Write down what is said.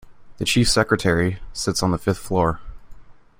The Chief Secretary, sits on the fifth floor.